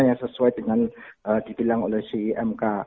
yang sesuai dengan dibilang oleh si mk